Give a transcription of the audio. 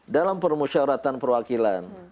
dalam permusyaratan perwakilan